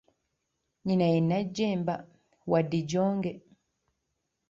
Nnyina ye Najjemba, wa Dijonge.